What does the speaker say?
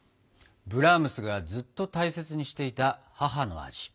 ブラームスがずっと大切にしていた母の味。